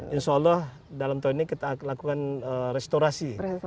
insya allah dalam tahun ini kita lakukan restorasi